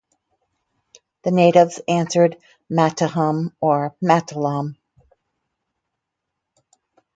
The natives answered "Matahum" or "Matalom.